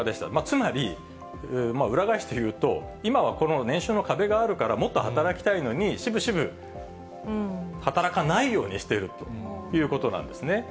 つまり裏返して言うと、今はこの年収の壁があるからもっと働きたいのに、しぶしぶ働かないようにしてるということなんですね。